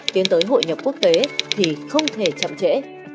tiến tới hội nhập quốc tế thì không thể trở lại